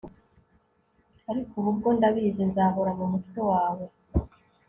ariko ubu bwo ndabizi nzahora mu mutwe wawe